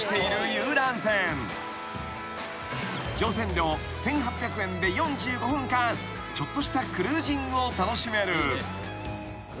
［乗船料１，８００円で４５分間ちょっとしたクルージングを楽しめる］